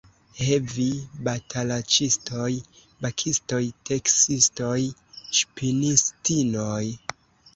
He vi, batalaĉistoj, bakistoj, teksistoj, ŝpinistinoj!